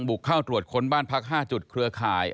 บุกเข้าตรวจค้นบ้านพัก๕จุดเครือข่าย